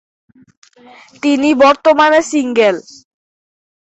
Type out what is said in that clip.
তিনি বর্তমানে সিঙ্গেল।